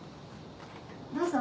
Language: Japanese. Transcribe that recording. ・どうぞ。